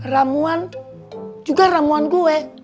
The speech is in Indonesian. ramuan juga ramuan gue